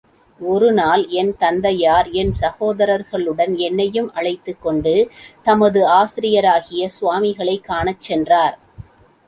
ஒரு நாள் என் தந்தையார் என் சகோதரர்களுடன் என்னையும் அழைத்துக் கொண்டு, தமது ஆசிரியராகிய சுவாமிகளைக் காணச் சென்றார்.